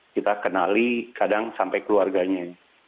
kita kenali kadang sampai keluarganya